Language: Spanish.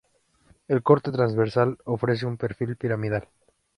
El corte transversal ofrece un perfil piramidal.